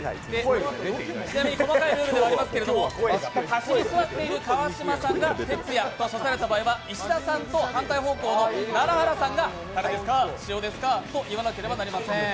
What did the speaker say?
ちなみに細かいルールではありますけれども端に座っている川島さんが鉄矢と指された場合は、石田さんと反対方向の楢原さんがタレですか塩ですかと言わなければなりません。